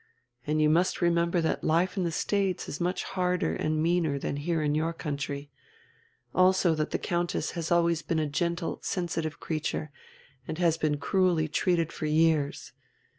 And you must remember that life in the States is much harder and meaner than here in your country; also that the Countess has always been a gentle, sensitive creature, and has been cruelly treated for years.